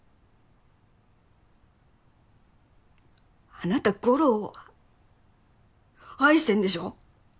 あなた吾良を愛してるんでしょ？